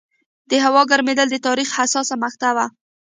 د هوا ګرمېدل د تاریخ حساسه مقطعه وه.